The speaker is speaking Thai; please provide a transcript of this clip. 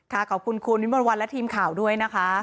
ขอบคุณคุณวิมวลวันและทีมข่าวด้วยนะคะ